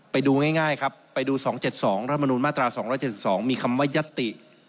ไปดูง่ายครับไปดู๒๗๒รัฐมนุนมาตรา๒๗๒มีคำว่ายัตติ